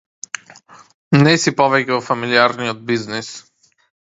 Не си повеќе во фамилијарниот бизнис.